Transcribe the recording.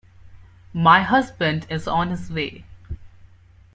My husband is on his way.